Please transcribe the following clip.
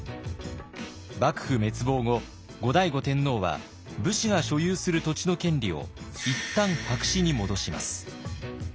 幕府滅亡後後醍醐天皇は武士が所有する土地の権利を一旦白紙に戻します。